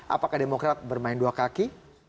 apakah demokrat bermain dua kaki